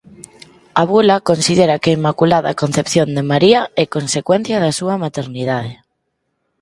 A bula considera que a inmaculada concepción de María é consecuencia da súa maternidade.